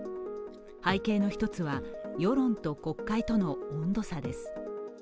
背景の１つは世論と国会との温度差です。